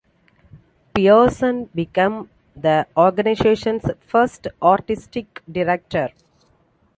Pearson became the organisation's first artistic director.